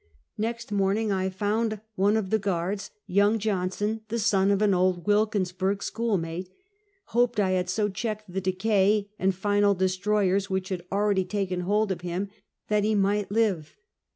^ext morning I found on one of the guards, young Johnson, the son of an old Wilkinsburg schoolmate, Hoped I had so checked the decay and final destroyers which had already taken hold of him, that he might live.